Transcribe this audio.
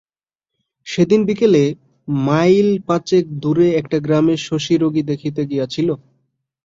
সেদিন বিকেলে মাইল পাচেক দূরে একটা গ্রামে শশী রোগী দেখিতে গিয়াছিল।